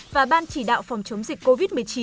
và ban chỉ đạo phòng chống dịch covid một mươi chín